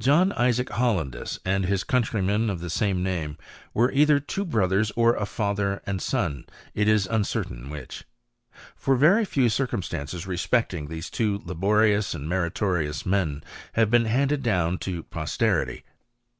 John Isaac Hollandus and his countryman of the same name, were either two brothers or a fathier and son ; it is uncertain which. For very few circum stances respecting these two laborious and meritorious men have been handed down to posterity.